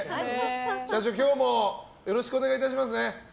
社長、今日もよろしくお願いいたしますね。